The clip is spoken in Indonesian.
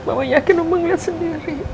mama yakin omong liat sendiri